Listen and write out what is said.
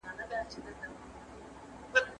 د لویې جرګي پر مهال څوک رخصت وي؟